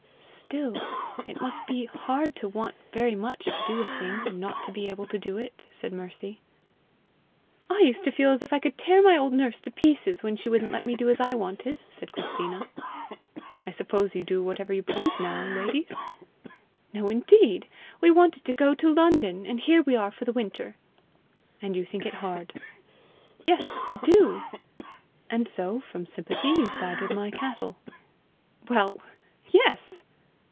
"Still it must be hard to want very much to do a thing, and not be able to do it!" said Mercy. "I used to feel as if I could tear my old nurse to pieces when she wouldn't let me do as I wanted!" said Christina. "I suppose you do whatever you please now, ladies?" "No, indeed. We wanted to go to London, and here we are for the winter!" "And you think it hard?" "Yes, we do." "And so, from sympathy, you side with my cattle?" "Well yes!"